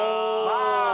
まあ。